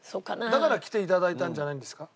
だから来て頂いたんじゃないんですか？